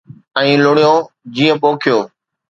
،۽ لڻيو جيئن پوکيو